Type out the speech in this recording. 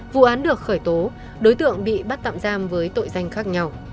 vụ án được khởi tố đối tượng bị bắt tạm giam với tội danh khác nhau